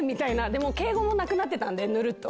でも敬語もなくなってたんで、ぬるっと。